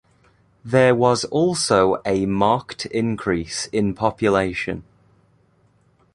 There was also a marked increase in population.